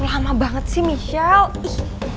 lama banget sih michelle